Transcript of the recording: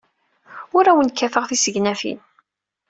Ur awent-kkateɣ tisegnatin.